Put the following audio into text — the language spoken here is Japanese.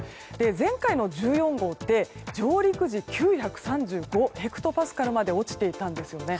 前回の１４号って上陸時９３５ヘクトパスカルまで落ちていたんですよね。